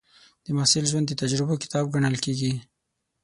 د محصل ژوند د تجربو کتاب ګڼل کېږي.